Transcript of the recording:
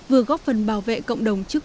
vừa góp phần bảo vệ cộng đồng chức năng